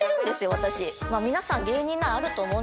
私。